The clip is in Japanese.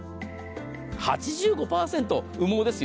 ８５％羽毛ですよ。